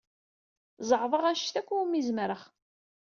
Zeɛḍeɣ anect akk umi zemreɣ.